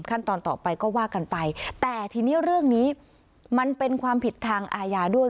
ขั้นตอนต่อไปก็ว่ากันไปแต่ทีนี้เรื่องนี้มันเป็นความผิดทางอาญาด้วย